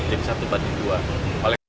jadi satu berbanding dua